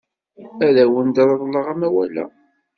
Ad awent-reḍleɣ amawal-a.